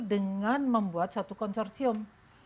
dengan membuat satu konsorsium